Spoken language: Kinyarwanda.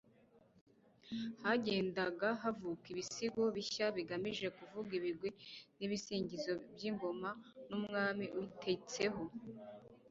hagendaga havuka ibisigo bishya bigamije kuvuga ibigwi n'ibisingizo by'ingoma n'umwami uyitetseho,